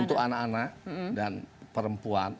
untuk anak anak dan perempuan